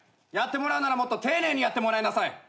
やってもらうならもっと丁寧にやってもらいなさい。